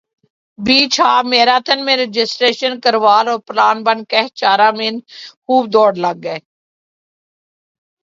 بیچ half marathon میں registration کروال اور پلان بن کہہ چارہ مہین خوب دوڑ لگ گے